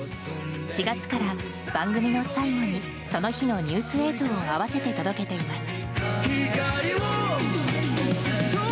４月から番組の最後にその日のニュース映像を併せて届けています。